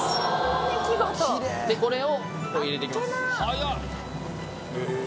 これを入れてきます。